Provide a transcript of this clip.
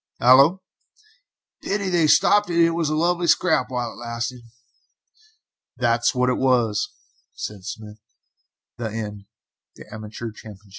"Hallo." "Pity they stopped it; it was a lovely scrap while it lasted." "That's what it was," said Smith. THE TRAGEDY OF THE WHITE